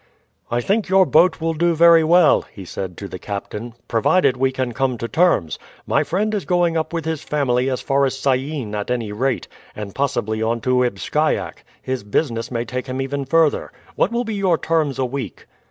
"I think your boat will do very well," he said to the captain, "provided we can come to terms. My friend is going up with his family as far as Syene at any rate, and possibly on to Ibsciak; his business may take him even further. What will be your terms a week?"